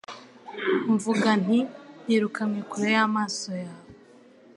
mvuga nti Nirukanywe kure y’amaso yawe»